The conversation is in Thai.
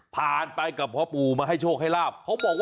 ผ่านไปกับพ่อปู่มาให้โชคให้ลาบ